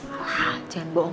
dari perusahaan yang terkenal